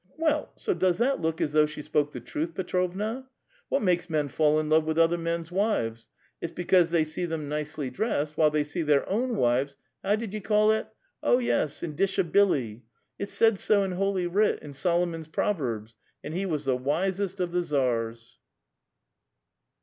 "*" Well, so does that look as though she spoke the truth, Petrovna. What makes men fall in love with other men's wives? It's because they see then nicely dressed, while they see their own wives — how did you call it? oh, yes, in dishabilly. It's said so in Holy Writ, in Solomon's Prov erbs, and he was the wisest of the Tsars